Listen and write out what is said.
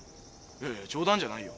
いやいや冗談じゃないよ。